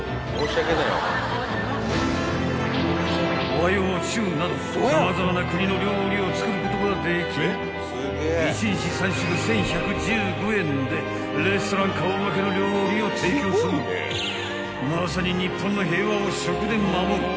［和・洋・中など様々な国の料理を作ることができ１日３食１，１１５円でレストラン顔負けの料理を提供するまさに］